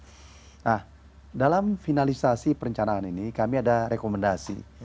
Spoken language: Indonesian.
nah dalam finalisasi perencanaan ini kami ada rekomendasi